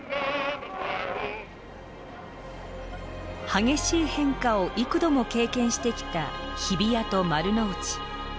激しい変化を幾度も経験してきた日比谷と丸の内。